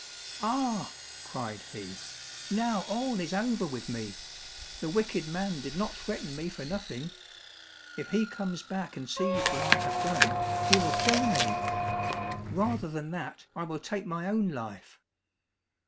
"Ah," cried he, "now all is over with me! The wicked man did not threaten me for nothing; if he comes back and sees what I have done, he will kill me. Rather than that I will take my own life."